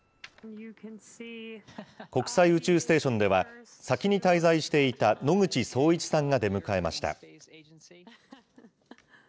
国際宇宙ステーションでは、先に滞在していた野口聡一さんが出迎えました。